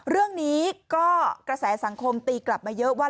เรื่องนี้ก็กระแสสังคมตีกลับมาเยอะว่า